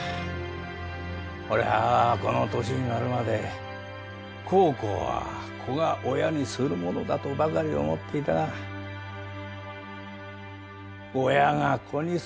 俺はこの年になるまで孝行は子が親にするものだとばかり思っていたが親が子にするものだったとはなぁ。